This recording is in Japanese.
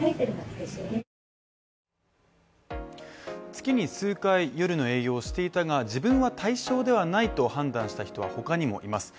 月に数回、夜の営業をしていたが自分は対象ではないと判断した人は他にもいます